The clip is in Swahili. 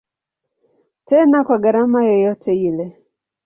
Tena kwa gharama yoyote ile.